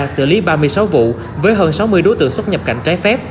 xử lý ba mươi sáu vụ với hơn sáu mươi đối tượng xuất nhập cảnh trái phép